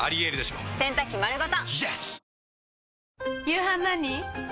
夕飯何？